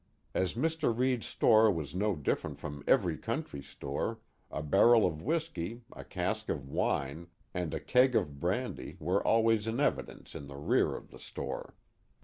As Mr. Reid's store was no different from every country store, a barrel of whiskey, a cask of wine, and a keg of brandy were always in evidence in the rear of the store.